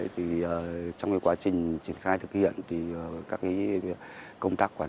trong quá trình triển khai thực hiện các công tác quản lý đối với hội hội đình này